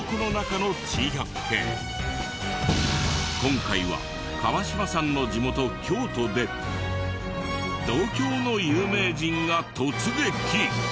今回は川島さんの地元京都で同郷の有名人が突撃。